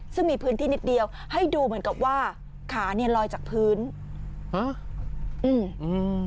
ซึ่งมีพื้นที่นิดเดียวให้ดูเหมือนกับว่าขาเนี้ยลอยจากพื้นฮะอืมอืม